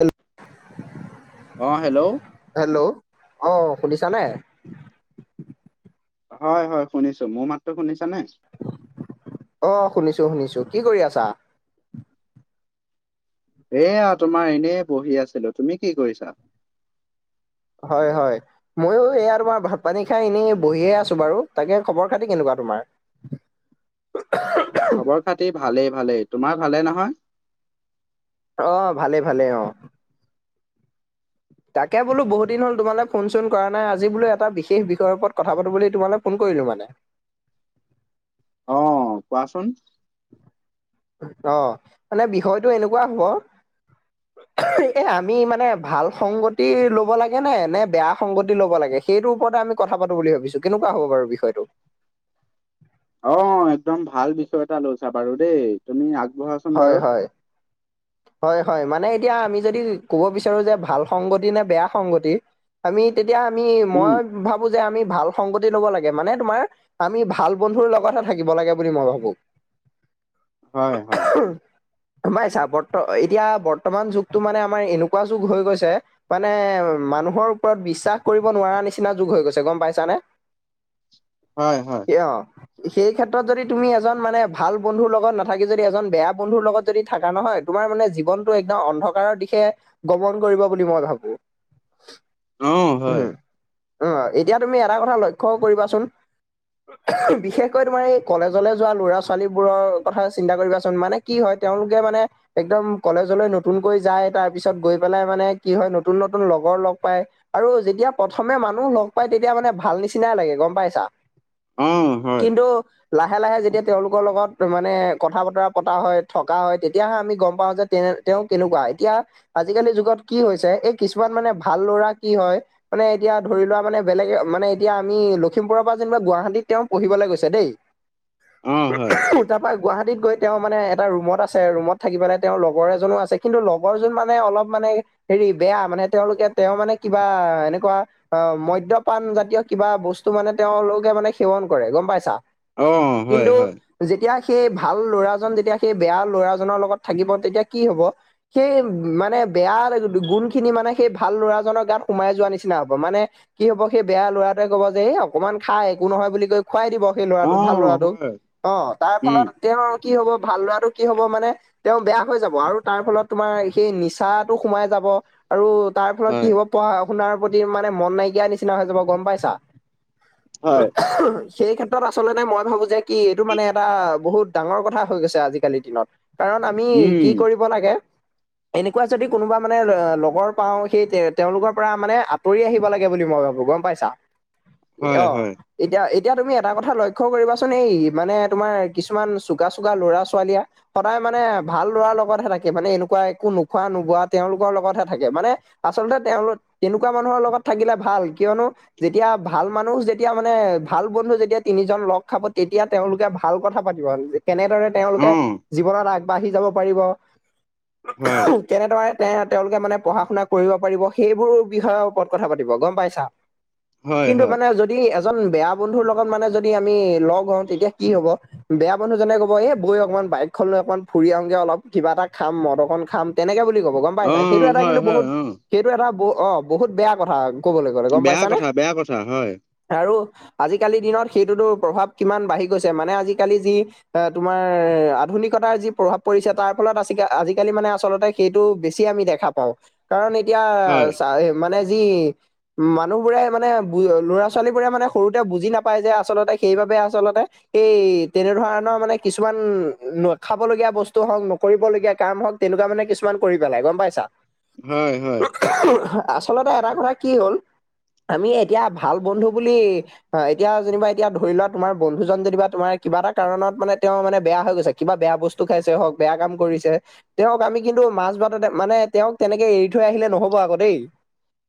Hello অ, hello, hello, অ, শুনিছা নে? হয়- হয় শুনিছোঁ মোৰ মাততো শুনিছা নে? অ, শুনিছোঁ -শুনিছোঁ কি কৰি আছা? এয়া তোমাৰ এনেই বহি আছিলোঁ তুমি কি কৰিছা? হয়-হয়। ময়ো এয়া তোমাৰ ভাত পানী খাই এনেই বহিয়ে আছো বাৰু তাকে খবৰ -খাতি কেনেকুৱা তোমাৰ? [unintelligible] খবৰ- খাতি ভালেই - ভালেই তোমাৰ ভালে নহয়? অ, ভালে-ভালে অ। তাকে বোলো বহু দিন হ'ল তোমাল ফোন কৰা নাই আজি বোলোঁ এটা বিশেষ বিষয়ৰ ওপৰত কথা পাতো বুলি তোমাল ফোন কৰিলোঁ মানে। অ, কোৱাচোন? অ, মানে বিষয়টো এনেকুৱা হ'ব এ আমি মানে ভাল সংগতি ল'ব লাগে নে -নে বেয়া সংগতি ল'ব লাগে? সেইটো ওপৰতে আমি কথা পাতো বুলি ভাবিছোঁ কেনেকুৱা হব বাৰু বিষয়টো? অ, একদম ভাল বিষয় এটা লৈছা বাৰু দে তুমি আগবঢ়াচোন বাৰু। হয়-হয় মানে এতিয়া আমি যদি ক'ব বিচাৰোঁ যে ভাল সংগতি নে বেয়া সংগতি আমি তেতিয়া আমি উম মই ভাবো যে আমি ভাল সংগতি ল'ব লাগে মানে তোমাৰ আমি ভাল বন্ধুৰ লগতহে থাকিব লাগে বুলি মই ভাবো। হয় -হয়। [unintelligible] আমাৰ হিচাপটো এতিয়া বৰ্তমান যুগটো মানে আমাৰ এনেকুৱা যুগ হৈ গৈছে মানে মানুহৰ ওপৰত বিশ্বাস কৰিব নোৱাৰা নিচিনা যুগ হৈ গৈছে গম পাইছানে? [inaudible] হয়-হয়। কিয়? সেই ক্ষেত্ৰত যদি তুমি এজন মানে ভাল বন্ধুৰ লগত নাথাকি যদি এজন বেয়া বন্ধুৰ লগত যদি থাকা নহয় তোমাৰ মানে জীৱনটো একদম অন্ধকাৰৰ দিশে গমন কৰিব বুলি মই ভাবো অ [inaudible] উহু, হয় অহ, এতিয়া তুমি এটা কথা লক্ষ্যও কৰিবাচোন বিশেষকৈ তোমাৰ এই কলেজলৈ যোৱা ল'ৰা- ছোৱালী বোৰৰ কথা চিন্তা কৰিবাচোন মানে কি হয় তেওঁলোকে মানে একদম কলেজলৈ নতুনকৈ যায় তাৰ পিছত গৈ পেলাই মানে কি হয় নতুন - নতুন লগৰ লগ পায় আৰু যেতিয়া প্ৰথমে মানুহ লগ পাই তেতিয়া মানে ভাল নিচিনাই লাগে গম পাইছা। অ [inaudible] হয় কিন্তু লাহে -লাহে যেতিয়া তেওঁলোকৰ লগত মানে কথা-বতৰা পতা হয় থকা হয় তেতিয়াহে আমি গম পাও যে তে- তেওঁ কেনেকুৱা এতিয়া আজিকালি যুগত কি হৈছে এই কিছুমান মানে ভাল ল'ৰা কি হয় মানে এতিয়া ধৰি লোৱা মানে বেলেগে মানে এতিয়া আমি লখিমপুৰৰ পৰা যেনিবা গুৱাহাটীত তেওঁ পঢ়িবলৈ গৈছে দেই অ হয় উঠাৰ পৰা গুৱাহাটীত গৈ তেওঁ মানে এটা ৰুমত আছে ৰুমত থাকিব পেলাই তেওঁৰ লগৰ এজনো আছে কিন্তু লগৰ যোন মানে অলপ মানে হেৰি বেয়া মানে তেওঁলোকে তেওঁ মানে কিবা এনেকুৱা আহ, মদ্যপান জাতীয় কিবা বস্তু মানে তেওঁলোকে মানে সেৱন কৰে গম পাইছা। অঁ কিন্তু যেতিয়া সেই ভাল ল'ৰাজন যেতিয়া সেই বেয়া লৰাজনৰ লগত থাকিব তেতিয়া কি হব? সেই মানে বেয়া গুণ খিনি মানে সেই ভাল ল'ৰাজনৰ গাত সোমাই যোৱা নিচিনা হব মানে কি হব সেই বেয়া ল'ৰাটোৱে ক'ব যে এই অকমান খাই একো নহয় বুলি কৈ খুৱাই দিব। সেই অ ল'ৰাটোক ভাল লৰাটোক হয় অঁ, তাৰ ফলত উম তেওঁ কি হব ভাল লৰাটো কি হব মানে তেওঁ বেয়া হৈ যাব আৰু তাৰ ফলত তোমাৰ সেই নিচাটো সোমাই যাব আৰু তাৰ ফলত কি হয় হব পঢ়া শুনাৰ প্ৰতি মানে মন নাইকিয়া নিচিনা হৈ যাব গম পাইছা। হয় সেই ক্ষেত্ৰত আচলতে মই ভাবো যে কি এইটো মানে এটা বহুত ডাঙৰ কথা হৈ গৈছে আজিকালিৰ দিনত কাৰণ আমি কি উম কৰিব লাগে। এনেকুৱা যদি কোনোবা মানে লগৰ পাওঁ সেই তে তেওঁলোকৰ পৰা মানে আতৰি আহিব লাগে বুলি মই ভাবো গম পাই চা হয় অঁ, হয় এতিয়া - এতিয়া এতিয়া তুমি এটা কথা লক্ষ্য কৰিবাচোন এই মানে তোমাৰ কিছুমান চুকা - চুকা লৰা ছোৱালীয়ে সদায় মানে ভাল ল'ৰাৰ লগতহে থাকে মানে এনেকুৱা একো নোখোৱা নোগোৱা তেওঁলোকৰ লগতহে থাকে মানে। আচলতে তেওঁলোক তেনেকুৱা মানুহৰ লগত থাকিলে ভাল, কিয়নো- যেতিয়া ভাল মানুহ যেতিয়া মানে ভাল বন্ধু যেতিয়া তিনিজন লগ খাব তেতিয়া। তেওঁলোকে ভাল কথা পাতিব যে কেনেদৰে অ তেওঁলোকে- জীৱনত আগবাঢ়ি যাব পাৰিব- হয় কেনেদৰে তে তেওঁলোকে মানে পঢ়া শুনা কৰিব পাৰিব সেইবোৰ বিষয়ৰ ওপৰত কথা পাতিব গম পাইছা। [inaudible] হয় কিন্তু হয় মানে যদি এজন বেয়া বন্ধুৰ লগত মানে যদি আমি লগ হওঁ তেতিয়া কি হব বেয়া মানুহজনে ক'ব এ বৈ অকণমান বাইকখন লৈ অকণমান ফুৰি আহোগৈ অলপ কিবা এটা খাম মদকণ খাম। তেনেকে বুলি ক'ব গম অ পাইছা সেইটো এটা হয় কিন্তু হয় বহুত অ সেইটো এটা ব অ, বহুত বেয়া কথা। ক'বলৈ গ'লে গম বেয়া পাইছানে কথা বেয়া কথা হয় আৰু আজিকালিৰ দিনত সেইটোতো প্ৰভাৱ কিমান বাঢ়ি গৈছে মানে আজিকালি যি এ তোমাৰ আধুনিক- তাৰ যি প্ৰভাৱ পৰিছে তাৰ ফলত আজ আজিকালি মানে আচলতে সেইটো বেছি আমি দেখা পাওঁ। কাৰণ এতিয়া হয় চ মানে যি- মানুহবোৰে মানে ল'ৰা ছোৱালী বোৰে মানে সৰুতে বুজি নাপায় যে আচলতে সেইবাবে আচলতে। এই তেনে ধৰণৰ মানে কিছুমান। খাবলগিয়া বস্তু হওঁক নকৰিবলগীয়া কাম হওক তেনেকুৱা মানে কিছুমান কৰি পেলাই গম পাইছা। হয়, হয়। আচলতে এটা কথা কি হ'ল আমি এতিয়া ভাল বন্ধু বুলি। অ এতিয়া যেনিব এতিয়া ধৰি লোৱা তোমাৰ বন্ধুজন যেনিবা তোমাৰ কিবা এটা কাৰণত মানে তেওঁ মানে বেয়া হৈ গৈছে। কিবা বেয়া বস্তু খাইছে হওক বেয়া কাম কৰিছে। তেওঁক আমি কিন্তু মাছ ভাততে মানে তেওঁক তেনেকে এৰি থৈ আহিলে নহব আকৌ দেই।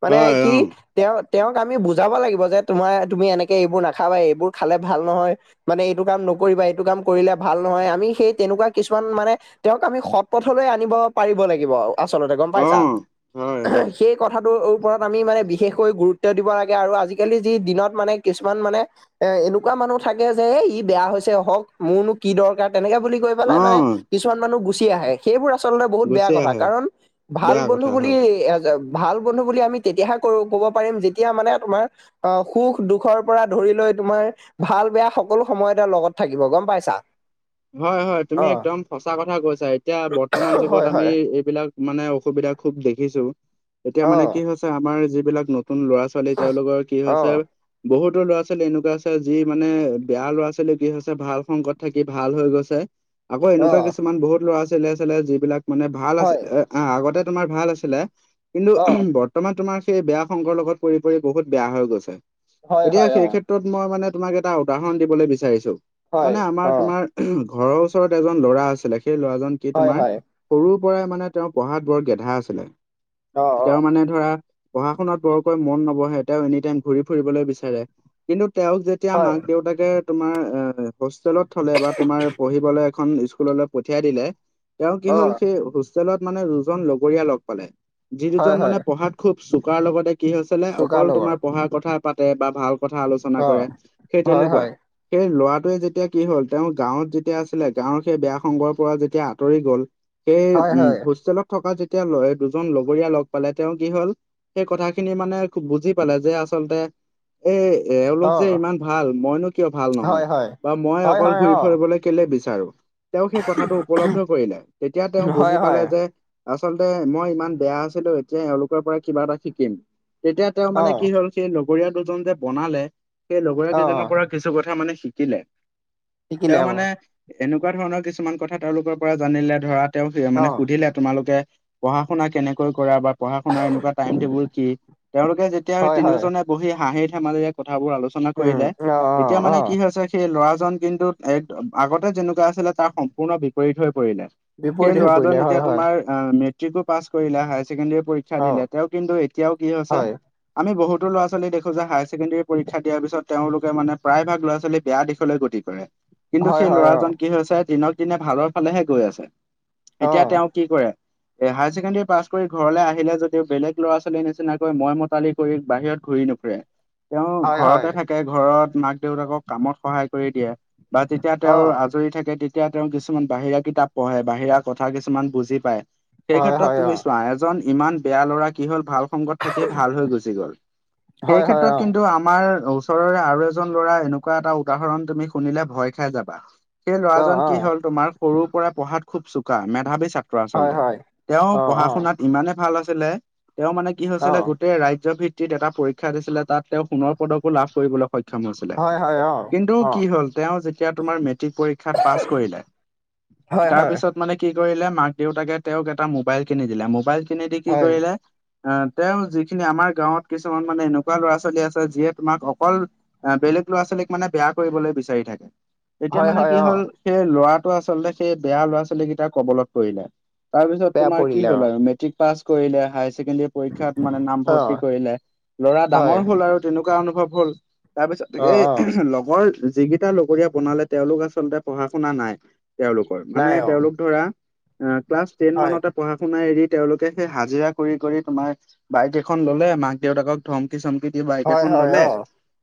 মানে কি। হয় তেওঁ তেওঁক আমি বুজাব লাগিব যে তোমাৰ তুমি এনেকৈ এইবোৰ নাখাবা এইবোৰ খালে ভাল নহয়। মানে এইটো কাম নকৰিবা এইটো কাম কৰিলে ভাল নহয় আমি। সেই তেনেকুৱা কিছুমান মানে তেওঁক আমি সৎ পথলৈ আনিব পাৰিব লাগিব। আচলতে গম অ অ পাইছা হয় হয় সেই কথাটো। ওপৰত আমি মানে বিশেষকৈ গুৰুত্ব দিব লাগে আৰু আজিকালি যি দিনত মানে কিছুমান মানে। এ এনেকুৱা মানুহ থাকে যে ই বেয়া হৈছে হক মোৰনো কি দৰকাৰ। তেনেকে বুলি কৈ অ পেলাই মানে কিছুমান মানুহ গুচি আহে। সেইবোৰ আচলতে বহুত বেয়া গুচি কথা আহে কাৰণ ভাল বেয়া বন্ধু কথা বুলি হয় এ। ভাল বন্ধু বুলি আমি তেতিয়াহে ক ক'ব পাৰিম যেতিয়া মানে তোমাৰ। অ সুখ দুখৰ পৰা ধৰি লৈ তোমাৰ ভাল বেয়া সকলো সময়তে লগত থাকিব গম পাইছা। হয়, হয় তুমি অ একদম সচা কথা কৈছা এতিয়া বৰ্তমান যুগত হয় আমি হয় এ বিলাক মানে অসুবিধা খুব দেখিছো এতিয়া অ মানে কি হৈছে আমাৰ যিবিলাক নতুন ল'ৰা ছো ছোৱালী তেওঁলোকৰ কি অ হৈছে বহুতো ল'ৰা ছোৱালী এনেকুৱা আছে যি মানে বেয়া ল'ৰা ছোৱালী কি হৈছে ভাল সংগত থাকি ভাল হৈ গৈছে আকৌ অ এনেকুৱা কিছুমান বহুত ল'ৰা ছোৱালীয়ে আছিলে যিবিলাক মানে ভাল হয় আছিলে আহ আগতে তোমাৰ ভাল আছিলে কিন্তু অ বৰ্ত বৰ্তমান তোমাৰ সেই বেয়া সংগৰ লগত পৰি পৰি বহুত বেয়া হৈ গৈছে হয় এতিয়া হয় অ সেই ক্ষেত্ৰ ত মই মানে তোমাক এটা উদাহৰণ দিবলৈ বিচাৰিছো হয় মানে আমাৰ অ তোমাৰ ঘৰৰ ওচৰত এজন ল'ৰা আছিলে সেই ল'ৰাজন কি হয় তোমাৰ হয় সৰুৰ পৰাই মানে তেওঁৰ পঢ়াত বৰ গেধা আছিলে অ অ তেওঁৰ মানে ধৰা পঢ়া শুনাত বৰকৈ মন নবহে তেওঁ এনি টাইম ঘূৰি ফুৰিবলৈ বিচাৰে কিন্তু তেওঁক যেতিয়া হয় মাক দেউতাকে তোমাৰ এ হোষ্টেলত থলে বা তোমাৰ পঢ়িবলে এখন স্কুললৈ পঠিয়াই দিলে তেওঁ কি অ হল সেই হোষ্টেলত মানে দুজন লগৰীয়া লগ পালে। যি হয় দুজন মানে হয় পঢ়াত খুব চোকাৰ লগতে কি হৈছিলে চুকা অকল লগৰ তোমাৰ পঢ়াৰ কথা পাতে বা ভাল কথা আলোচনা অ কৰে সেই হয় তেনেকুৱা হয় সেই ল'ৰাটোৱে যেতিয়া কি হ'ল তেওঁ গাঁৱত যেতিয়া আছিলে গাঁৱৰ সেই বেয়া সংগৰ পৰা যেতিয়া আঁতৰি গ'ল সেই হয় উম হয় হোষ্টেলত থকা যেতিয়া লৰা দুজন লগৰীয়া লগ পালে তেওঁ কি হল সেই কথা খিনি মানে বুজি পালে যে আচলতে এ এওঁলোক অ যে ইমান ভাল মইনো কিয় ভাল হয় নহয়। হয় বা মই হয় অকল হয় ঘূৰি অ ফুৰিবলৈ কেলে বিচাৰো! তেওঁ সেই কথাটো উপলব্ধ কৰিলে তেতিয়া তেওঁ হয় বুজি হয় পালে যে- আচলতে মই ইমান বেয়া আছিলো এতিয়া এওঁলোকৰ পৰা কিবা এটা শিকিম তেতিয়া তেওঁ অ মানে কি হ'ল সেই লগৰীয়া দুজন যে বনালে সেই লগৰীয়া অ কেইজনৰ পৰা কিছু কথা মানে শিকিলে। শিকিলে তেওঁ অ মানে এনেকুৱা ধৰণৰ কিছুমান কথা তেওঁলোকৰ পৰা জানিলে ধৰা। তেওঁ সে অ মানে সুধিলে তোমালোকে পঢ়া শুনা কেনেকৈ কৰা বা পঢ়া শুনা এনেকুৱা টাইম টেবুল কি তেওঁলোকে যেতিয়া হয় হয় তিনিওজনে বহি হাঁহি ধেমালিৰে কথাবোৰ আলোচনা উম কৰিলে অ অ এতিয়া অ মানে কি হৈছে সেই ল'ৰা জন কিন্তু একদম আগতে যেনুকা আছিলে তাৰ সম্পূৰ্ণ বিপৰীত হৈ পৰিলে সেই বিপৰীত হৈ ল'ৰা জন পৰিলে হয় এতিয়া হয় তোমাৰ অ মেট্ৰিকো পাছ কৰিলে হায়াৰ ছেকেণ্ডৰী পৰীক্ষা অ দিলে তেওঁ কিন্তু এতিয়াও কি হৈছে হয় আমি বহুতো লৰা ছোৱালী দেখো যে হাই ছেকেণ্ডৰী পৰীক্ষা দিয়াৰ পিছত তেওঁলোকে মানে প্ৰায় ভাগ ল'ৰা ছোৱালী বেয়া দিশলৈ গতি - গতি কৰে কিন্তু হয় সেই হয় অ ল'ৰাজন কি হৈছে দিনক দিনে ভালৰ ফালেহে গৈ আছে। অ এতিয়া তেওঁ কি কৰে- এ হায়াৰ ছেকেণ্ডেৰী পাছ কৰি ঘৰলৈ আহিলে যদিও বেলেগ ল'ৰা ছোৱালী নিচিনাকৈ মই মতালি কৰি বাহিৰত ঘূৰি নুফ ফুৰে, তেওঁ হয় হয় ঘৰতে থাকে ঘৰত মাক দেউতাকক কামত সহায় কৰি দিয়ে বা তে- তিয়া অ তেওঁৰ আজৰি থাকে তেতিয়া তেওঁ কিছুমান বাহিৰা কিতাপ পঢ়ে বাহিৰা কথা কিছুমান বুজি পায়। সেই হয় ক্ষেত্ৰত হয় অ তুমি চোৱা এজন ইমান বেয়া ল'ৰা কি হল ভাল সংগত - থাকি ভাল হৈ গুচি গ'ল, সেই হয় হয় ক্ষেত্ৰত অ কিন্তু আমাৰ ওচ ওচৰৰে আৰু এজন ল'ৰা এনেকুৱা এটা উদাহৰণ তুমি শুনিলে ভয় খাই যাবা। সেই অ ল'ৰাজন অ কি হল তোমাৰ সৰুৰ পৰাই পঢ়াত খুব চোকা মেধাৱী ছাত্ ত্ৰ হয় আচলতে, হয় তেওঁ অ অ পঢ়া শুনাত - ইমানে ভাল আছিলে তেওঁ মানে কি অ হৈছিলে গোটেই ৰাজ্য ভিত ক্তিত এটা পৰীক্ষা দিছিলে তাত তেওঁ সোণৰ পদকো লাভ কৰিবলৈ সক্ষম হৈছিলে, হয় হয় অ কিন্তু অ - কি হ'ল তেওঁ যেতিয়া তোমাৰ মেট্ৰিক পৰীক্ষাত পাছ কৰিলে, হয় হয় তাৰপিছত - মানে কি কৰিলে মাক দেউতাকে তেওঁক এটা মোবাইল কিনি দিলে মোবাইল কিনি দি কি হয় কৰিলে - আহ তেওঁ যিখিনি আমাৰ গাঁৱত কিছুমান মানে এনেকুৱা ল'ৰা ছোৱালী আছে যিয়ে তোমাক অকল - আহ বেলেগ ল'ৰা ছোৱালীক মানে বেয়া কৰিবলৈ বিচাৰি থাকে, এতিয়া হয় মানে হয় কি অ হল - সেই ল'ৰাটো আচলতে সেই বেয়া ল'ৰা ছোৱালী কেইটাৰ কবলত পৰিলে। তাৰপিছত বেয়া তোমাৰ কি পৰিলে অ হ'ল আৰু মেট্ৰিক পাছ কৰিলে হাই - ছেকেণ্ডেৰী পৰীক্ষাত মানে অ নামভৰ্তি কৰিলে, ল'ৰা হয় ডাঙৰ হল আৰু তেনেকোৱা অনুভৱ হল তাৰপিছত অ অ সেই লগৰ - যি কিটা লগৰীয়া বনালে তেওঁলোক আচলতে পঢ়া শুনা নাই তেওঁলোক - ৰ মানে নাই অ তেওঁলোক ধৰা ক্লাছ টেন হয় মানতে পঢ়া - শুনাই এৰি তেওঁলোকে সেই হাজিৰা কৰি কৰি তোমাৰ বাইক এখন ললে মাক দেউতাকক - ধমকি চমকি দি বাইক হয় এখন হয় ললে অ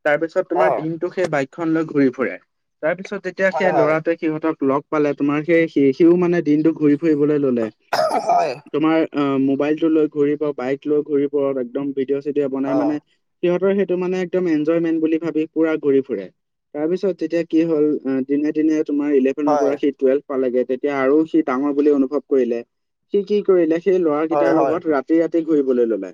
তাৰপিছত অ তোমাৰ দিনতো সেই বাইক - সেইখন লৈ ঘূৰি ফুৰে তাৰ পিছত যেতিয়া হয় সেই হয় ল'ৰাটোৱে - সিহঁতক লগ পালে তোমাৰ সেই সি সিও মানে দিনটো ঘূৰি ফুৰিবলৈ ললে - হয়। তোমাৰ অ মোবাইলটো লৈ ঘূৰিব বাইক লৈ ঘূৰিব একদম ভিডিঅ' চিডিঅ' বনাই অ মানে - সিহঁতৰ সেইটো মানে একদম এনজয়মেণ্ট বুলি ভাবি পুৰা ঘূৰি ফুৰে। তাৰপিছত তেতিয়া কি হ'ল দিনে দিনে তোমাৰ ইলেভেনৰ পৰা হয় সেই টুৱেলভ - পালেগে তেতিয়া আৰু সি ডাঙৰ বুলি অনুভৱ কৰিলে সি কি কৰিলে সেই ল'ৰা হয় কেইটাৰ হয় লগত ৰা - তি ৰাতি ঘূৰিবলৈ ললে,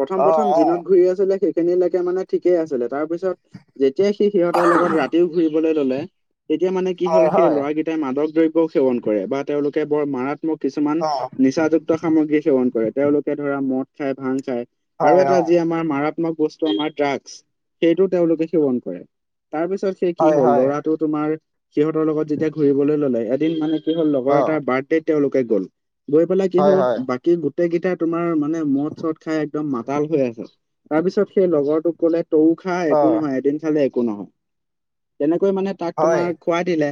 প্ৰথম অ প্ৰথম অ দিনত ঘূৰি আছিলে সেই - খিনিলেকে মানে ঠিকেই আছিলে, তাৰ পিছত যেতিয়াই সি সিহঁতৰ লগত ৰাতিও ঘুৰিবলৈ ললে - তেতিয়া মানে কি হল হয় সেই হয় ল'ৰাকেইটাই মাদক দ্ৰব্য সেৱন কৰে বা তেওঁলোকে বৰ মাৰা ত্মক কিছুমান অ নিচাযুক্ত সামগ্ৰী সেৱন কৰে, তেওঁলোকে ধৰা মদ খাই, ভাং খাই - আৰু হয় এটা অ যি আমাৰ মাৰাত্মক বস্তু আমাৰ ড্ৰাগছ সেইটো তেওঁলোকে সেৱন কৰে। তাৰ পিছত সেই কি হয় হল হয় লৰাটো তোমাৰ সিহঁতৰ লগত যেতিয়া ঘূৰিবলৈ ললে এদিন মানে কি হ'ল অ লগৰ এটাৰ বাৰ্থডে তেওঁলোকে গ'ল গৈ পেলাই কি হয় হ'ল হয় বাকী গো গোটেইকেইটা তোমাৰ মানে মদ চদ খাই একদম মাতাল হৈ আছে তাৰ পিছত সেই লগৰটোক ক'লে তৌ খা অ একো নহয় এদিন খালে একো নহয় তেনেকৈ মানে তাক তোমাৰ হয় খুৱাই দিলে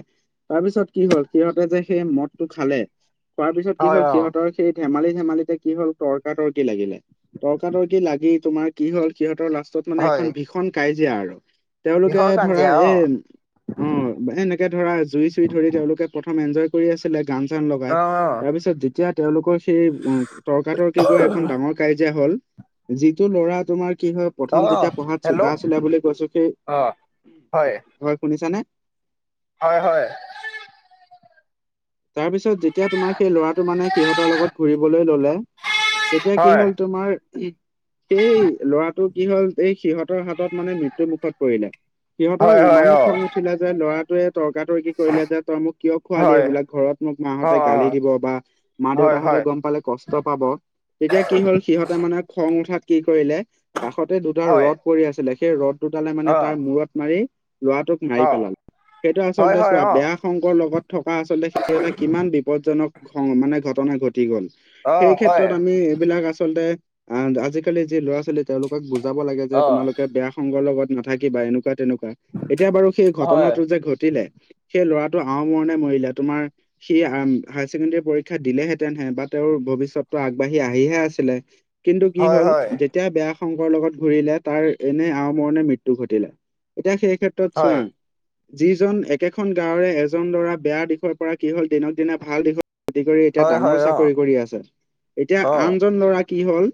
তাৰ পিছত কি হ'ল সিহঁতে যে সেই মদটো খালে খোৱাৰ পিছত কি হ'ল হয় অ সিহঁতৰ সেই ধেমালি ধেমালিতে কি হল তৰ্কা তৰ্কি লাগিলে। তৰ্কা তৰ্কি লাগি তোমাৰ কি হল সিহঁতৰ লাষ্ট - মানে হয় এখন ভীষণ কাজিয়া আৰু, তেওঁলোকে বিষৰ ধৰা কাঞ্জিয়া অ এই - অ এ এনেকে ধৰা জুই চুই ধৰি তেওঁলোকে প্ৰথম এনজয় - কৰি আছিলে গান চান লগাই অ তাৰপিছত যেতিয়া তেওঁলোকৰ - সেই উ তৰ্কাতৰ্কি গৈ এখন ডাঙৰ কাজিয়া হল, যিটো ল'ৰা তোমাৰ কি হয় - অ প্ৰথম অ যেতিয়া পঢ়াত চোকা হেল্ল' আছিলে বুলি কৈছো সেই - অ হয় হয় শুনিছানে হয় হয় তাৰ পিছত যেতিয়া তোমাৰ সেই ল'ৰাটো মানে সিহঁতৰ লগত ঘুৰিবলৈ ললে তেতিয়া কি হয় হ'ল তোমাৰ সেই ল'ৰাটো কি হল এই সিহঁত ৰ হাতত মানে মৃত্যু মুখত পৰিলে সিহঁতৰ হয় হয় ইমানে অ খং উঠিলে যে ল'ৰাটোৱে তৰ্কাতৰ্কি কৰিলে যে তই মোক কিয় খোৱালি হয় এইবিলাক ঘৰত মোক অ অ মাহঁতে গালি দিব বা মা হয় দেউতাহঁতে হয় গম পালে কষ্ট পাব তেতিয়া কি হল সিহঁতে মানে খং উঠাত কি কৰিলে কাষতে দুডাল হয় ৰদ পৰি আছিলে সেই ৰদ দুডালে মানে অ তাৰ মূৰত মাৰি লৰাটোক মাৰি অ পেলাল সেইটো হয় আচলতে হয় চোৱা অ বেয়া সংগৰ লগত থকা আচলতে সেইটো এটা কিমান বিপদজনক খং মানে ঘটনা ঘটি গল অ সেই হয় ক্ষেত্ৰত আমি এইবিলাক আচলতে অ আজিকালি যি ল'ৰা ছোৱালী তেওঁলোকক বুজাব লাগে যে অ তোমালোকে বেয়া সংগৰ লগত নাথাকিবা এনেকোৱা তেনেকোৱা এতিয়া বাৰু সেই হয় ঘটনাটো যে ঘটিলে সেই ল'ৰাটো আও মৰণে মৰিলে তোমাৰ সি হায়াৰ ছেকেণ্ডাৰী পৰীক্ষা দিলেহেতেনহে বা তেওঁৰ ভৱিষ্যতটো আগবাঢ়ি আহিহে আছিলে কিন্তু কি হয় হ'ল যে যেতিয়া বেয়া সংগৰ লগত ঘূৰিলে তাৰ এনে আমৰণে মৃত্যু ঘটিলে এতিয়া সেই ক্ষেত্ৰ ত চোৱা হয় যিজন একেখন গাঁৱৰে এজন ল'ৰা বেয়া দিশত পৰা কি হ'ল দিনক দিনে ভাল দিশত খেতি কৰি এতিয়া হয় হয় হয় ডাঙৰ অ চাকৰি কৰি আছে এতিয়া অ আনজন ল'ৰা কি হল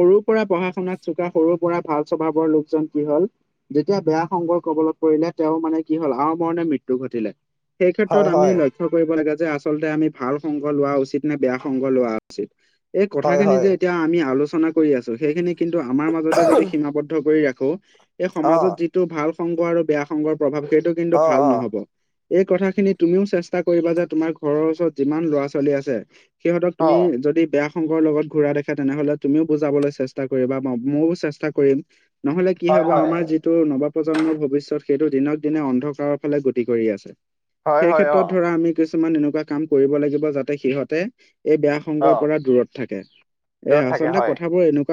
সৰুৰ পৰা পঢ়া শুনাত চোকা সৰুৰ পৰা ভাল স্বভাৱৰ লোকজন কি হল যেতিয়া বেয়া সংগৰ কবলত পৰিলে তেওঁ মানে কি হল আমৰণে মৃত্যু ঘটিলে সেই ক্ষেত্ৰত হয় আমি হয় লক্ষ্য কৰিব লাগে যে আচলতে আমি ভাল সংগ লোৱা উচিত নে বেয়া সংগ লোৱা উচিত এই হয় কথাখিনি হয় যে এতিয়া আমি আলোচনা কৰি আছো সেইখিনি কিন্তু আমাৰ মাজত মাজতে যদি সীমাবদ্ধ কৰি ৰাখো এই অ সমাজত যিটো ভাল সংগ আৰু বেয়া সংগৰ প্ৰভাৱ সেইটো কিন্তু অ ভাল অ নহব এই কথাখিনিত তুমিও চেষ্টা কৰিবা যে তোমাৰ ঘৰৰ ওচৰত যিমান ল'ৰা ছোৱালী আছে সিহঁতক অ তুমি যদি বেয়া সংগৰ লগত ঘুৰা দেখা তেনেহলে তুমিও বুজাবলৈ চেষ্টা কৰিম বা ময়ো চেষ্টা কৰিম নহলে কি হয় হব হয় আমাৰ যি টো নৱপ্ৰজন্মৰ ভৱিষ্যত সেইটো দিনক দিনে অন্ধকাৰৰ ফালে গতি কৰি আছে হয় সেই হয় অ ক্ষেত্ৰত ধৰা আমি কিছুমান এনেকুৱা কাম কৰিব লাগিব যাতে সিহঁতে এই বেয়া অ সংগৰ পৰা দূৰত থাকে এ দূৰত থাকে আচলতে হয় কথাবোৰ এনোক